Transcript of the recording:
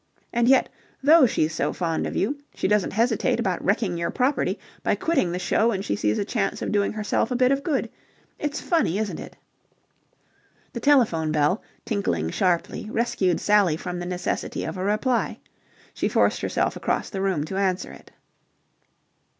And yet, though she's so fond of you, she doesn't hesitate about wrecking your property by quitting the show when she sees a chance of doing herself a bit of good. It's funny, isn't it?" The telephone bell, tinkling sharply, rescued Sally from the necessity of a reply. She forced herself across the room to answer it.